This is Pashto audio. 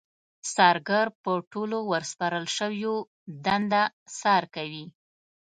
څارګر په ټولو ورسپارل شويو دنده څار کوي.